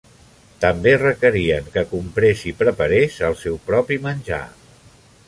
També requerien que comprés i preparés el seu propi menjar.